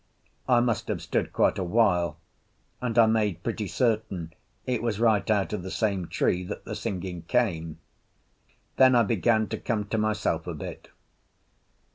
I must have stood quite a while; and I made pretty certain it was right out of the same tree that the singing came. Then I began to come to myself a bit.